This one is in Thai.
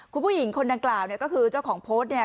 คุณผู้หญิงคนดังกล่าวก็คือเจ้าของโพสต์